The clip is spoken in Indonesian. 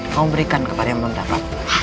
kamu berikan kepada yang belum dapat